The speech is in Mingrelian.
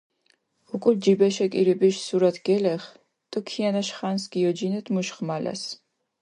უკულ ჯიბეშე კირიბიშ სურათი გელეღჷ დო ქიანაშ ხანს გიოჯინედჷ მუშ ღმალას.